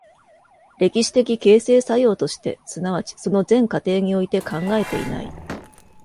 歴史的形成作用として、即ちその全過程において考えていない。